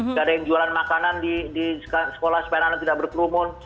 nggak ada yang jualan makanan di sekolah supaya anak tidak berkerumun